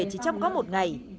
chỉ trong có một ngày